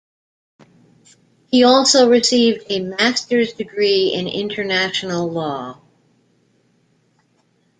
He also received a master's degree in international law.